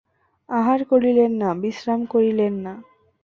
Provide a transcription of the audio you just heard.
আহার করিলেন না, বিশ্রাম করিলেন না।